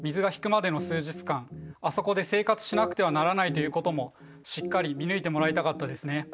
あそこで生活しなくてはならないということもしっかり見抜いてもらいたかったですね。